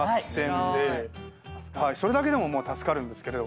それだけでも助かるんですけど。